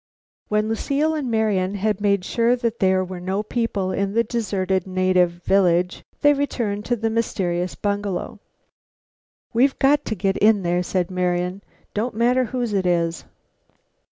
When Lucile and Marian had made sure that there were no people in the deserted native village, they returned to the mysterious bungalow. "We've got to get in there," said Marian, "don't matter whose it is."